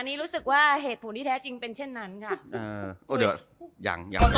อันนี้รู้สึกว่าเหตุผลที่แท้จริงเป็นเช่นนั้นค่ะ